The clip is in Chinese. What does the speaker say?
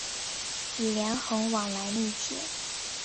与连横往来密切。